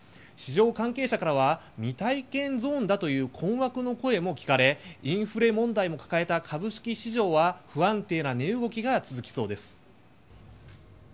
市場関係者からは未体験ゾーンだという困惑の声も聞かれインフレ問題も抱えた株式市場は不安定な値動きが続きそうです。